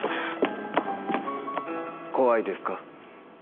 怖いですか？